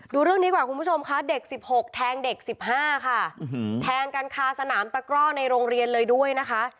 ดูเรื่องนี้ก่อนคุณผู้ชมค่ะเด็ก๑๖แทงเด็ก๑๕ค่ะแทงกันคาสนามตะกร่อในโรงเรียนเลยด้วยนะคะ